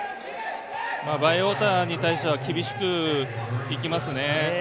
バイウォーターに対しては厳しくいきますね。